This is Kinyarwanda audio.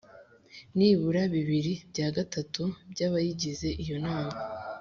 nibura bibiri bya gatatu by abayigize Iyo nama